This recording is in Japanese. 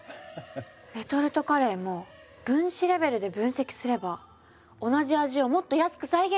レトルトカレーも分子レベルで分析すれば同じ味をもっと安く再現できちゃうってことですよね？